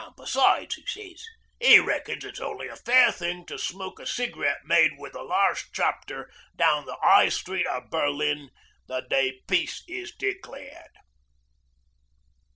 An' besides, 'e sez, 'e reckons it's only a fair thing to smoke a cig'rette made wi' the larst chapter down the 'Igh Street o' Berlin the day Peace is declared.'